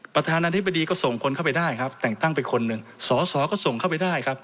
ประธานาธิบดีก็ส่งคนเข้าไปได้ครับแต่งตั้งไปคนหนึ่งสอสอก็ส่งเข้าไปได้ครับ